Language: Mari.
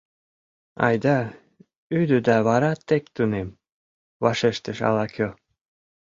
— Айда ӱдӧ да вара тек тунем, — вашештыш ала-кӧ.